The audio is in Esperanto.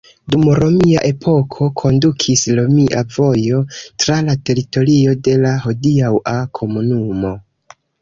Dum romia epoko kondukis romia vojo tra la teritorio de la hodiaŭa komunumo.